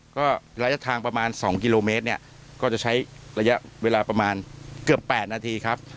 ก็ระยะทางประมาณ๒กิโลเมตรเนี่ยก็จะใช้ระยะเวลาประมาณเกือบ๘นาทีครับ